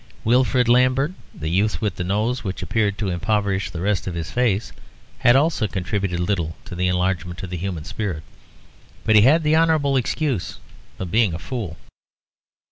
Wilfrid Lambert, the youth with the nose which appeared to impoverish the rest of his face, had also contributed little to the enlargement of the human spirit, but he had the honourable excuse of being a fool.